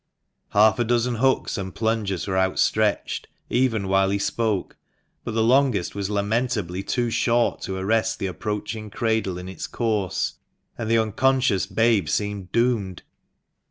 Half a dozen hooks and plungers were outstretched, even while he spoke ; but the longest was lamentably too short to arrest the approaching cradle in its course, and the unconscious babe seemed doomed.